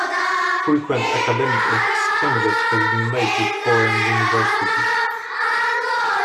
Frequent academic exchanges have been made with foreign universities.